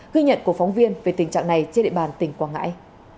ghi nhận của phóng viên về tình trạng này trên địa bàn tỉnh quảng ngãi